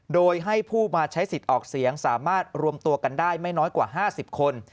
โดยให้ผู้มาใช้สิทธิ์ออกเสียงสามารถรวมตัวกันได้ไม่น้อยกว่า๕๐คน